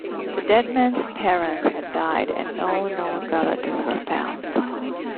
The dead man's parents had died and no known relatives were found.